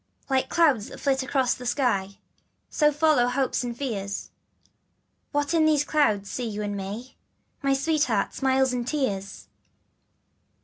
L IKE clouds that flit across the sky, So follow hopes and fears. What in these clouds see you and me Dear Sweetheart, smiles or tears?